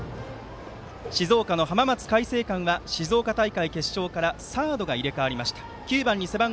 静岡の浜松開誠館浜松大会決勝からサードが入れ替わりました。